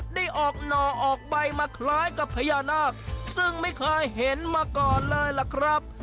ได้ออกหน่อออกใบมาคล้ายกับพญานาคซึ่งไม่เคยเห็นมาก่อนเลยล่ะครับ